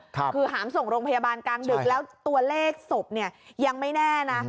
คือหามส่งโรงพยาบาลกลางดึกแล้วตัวเลขศพเนี่ยยังไม่แน่นะ